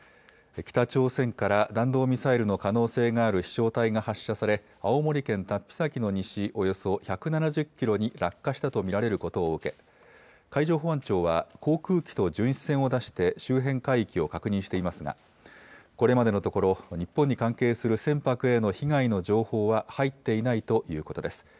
北朝鮮から弾道ミサイルの可能性がある飛しょう体が発射され、青森県龍飛崎の西、およそ１７０キロに落下したと見られることを受け、海上保安庁は航空機と巡視船を出して周辺海域を確認していますが、これまでのところ、日本に関係する船舶への被害の情報は入っていないということです。